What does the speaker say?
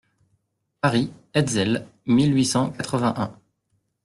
Paris, Hetzel, mille huit cent quatre-vingt-un.